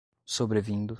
Sobrevindo